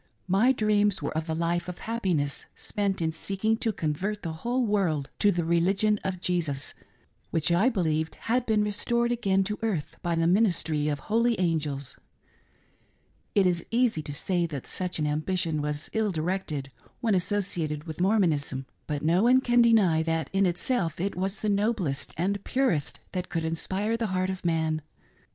My dreams were of a life of happiness spent in seeking to convert'the whole world to the religion of Jesus, which I be lieved had been restored again to earth by the ministry of holy angels. It is easy to say that such an ambition was ill directed when associated with Mormonism, but no one can deny that, in itself, it was the noblest and purest that could inspire the heart of man.